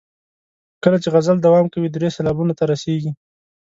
کله چې غزل دوام کوي درې سېلابونو ته رسیږي.